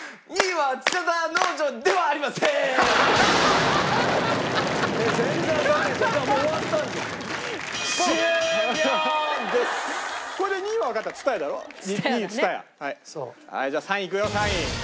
はいじゃあ３位いくよ３位。